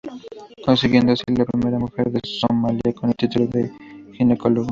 Consiguiendo así ser la primera mujer de Somalia con el título de ginecólogo.